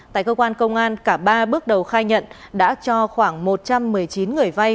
tại cơ quan công an cả ba bước đầu khai nhận đã cho khoảng một trăm một mươi chín người vay